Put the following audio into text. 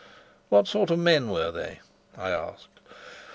"What sort of men were they?" I asked.